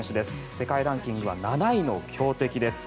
世界ランキングは７位の強敵です。